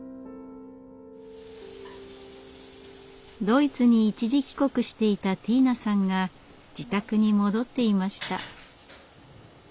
ドイツに一時帰国していたティーナさんが自宅に戻っていました。